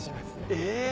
え！